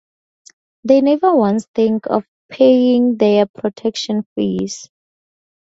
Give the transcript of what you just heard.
They never once think of paying their protection-fees.